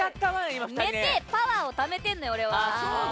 寝てパワーをためてんのよ俺は。